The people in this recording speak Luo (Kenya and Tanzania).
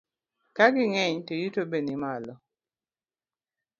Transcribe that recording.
Ka ging'eny to yuto be nimalo,